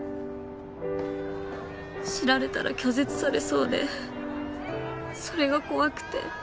知られたら拒絶されそうでそれが怖くて。